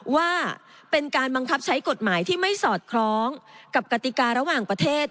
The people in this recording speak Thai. ว่าเป็นการบังคับใช้กฎหมายที่ไม่สอดคล้องกับกติการะหว่างประเทศ